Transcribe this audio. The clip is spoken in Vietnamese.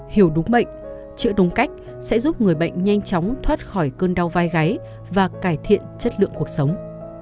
hiểu đúng bệnh chữa đúng cách sẽ giúp người bệnh nhanh chóng thoát khỏi cơn đau vai gáy và cải thiện chất lượng cuộc sống